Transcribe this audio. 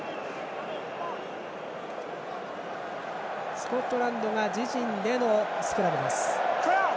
スコットランドが自陣でのスクラムです。